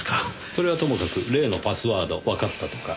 それはともかく例のパスワードわかったとか。